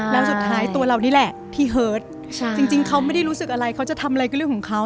แล้วสุดท้ายตัวเรานี่แหละที่เฮิตจริงเขาไม่ได้รู้สึกอะไรเขาจะทำอะไรก็เรื่องของเขา